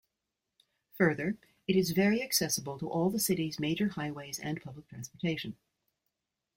Further, it is very accessible to all the city's major highways and public transportation.